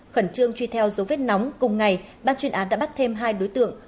khẩn trương truy theo dấu vết nóng cùng ngày ban chuyên án đã bắt thêm hai đối tượng